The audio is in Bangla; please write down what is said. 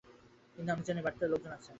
কিন্তু আমি জানি, বাড়িতে লোকজন আছে।